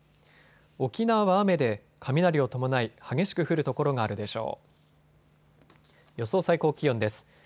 沖縄は雨で雷を伴い激しく降る所があるでしょう。